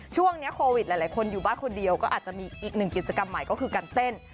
ช่วงนี้โควิดหลายคนอยู่บ้านคนเดียวก็อาจจะมีอีกหนึ่งกิจกรรมใหม่ก็คือการเต้น